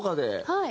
はい。